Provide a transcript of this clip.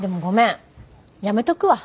やめとくわ。